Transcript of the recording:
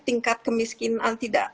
tingkat kemiskinan tidak